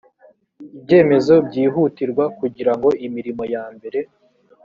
ibyemezo byihutirwa kugira ngo imirimo ya mbere